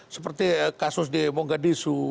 seperti kasus di monggadisu